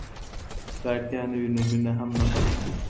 که اړتیا نه وي نو مینه هم نه پاتې کیږي.